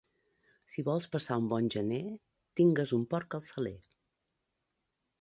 Si vols passar un bon gener tingues un porc al saler.